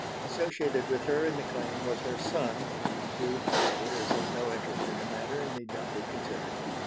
Associated with her in the claim was her son, who, however, is of no interest in the matter and need not be considered.